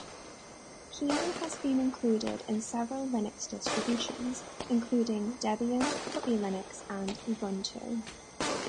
Kino has been included in several Linux distributions, including Debian, Puppy Linux and Ubuntu.